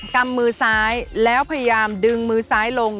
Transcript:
กำมือซ้ายแล้วพยายามดึงมือซ้ายลง